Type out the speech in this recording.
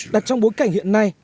đặt trong bối cảnh hiện nay